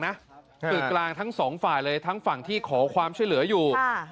คือกลางทั้งสองฝ่ายเลยทั้งฝั่งที่ขอความช่วยเหลืออยู่